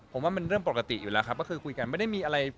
ผมว่ามันเรื่องปกติอยู่แล้วครับก็คือคุยกันไม่ได้มีอะไร